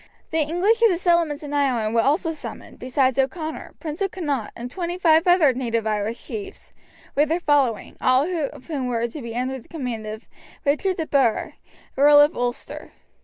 The English of the settlements in Ireland were also summoned, besides O'Connor, Prince of Connaught, and twenty five other native Irish chiefs, with their following, all of whom were to be under the command of Richard de Burgh, Earl of Ulster.